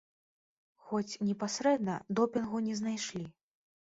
Хоць непасрэдна допінгу не знайшлі.